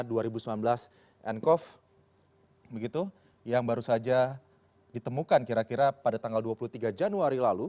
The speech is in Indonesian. dan covid sembilan belas yang baru saja ditemukan kira kira pada tanggal dua puluh tiga januari lalu